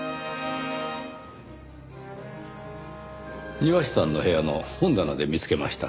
庭師さんの部屋の本棚で見つけました。